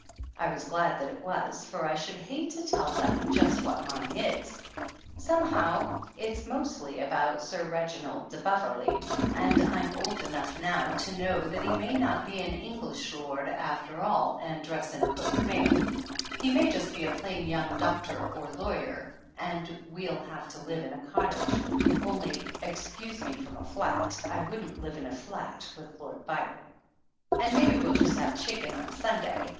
I was glad that it was, for I should hate to tell them just what mine is. Somehow it is mostly about Sir Reginald de 207 THE ANNALS OF ANN Beverley, and I'm old enough now to know that he may not be an English lord after all and dress in a coat of mail. He may be just a plain young doctor or lawyer, and we'll have to live in a cottage (only excuse me from a flat, I wouldn't live in a flat with Lord Byron) and maybe we'll just have chicken on Sunday.